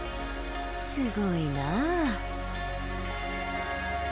すごいなぁ。